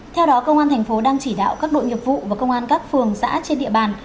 theo đó công an thành phố đang chỉ đạo các đội nghiệp vụ và công an các phường xã trên địa bàn